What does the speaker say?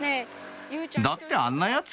「だってあんなやつ」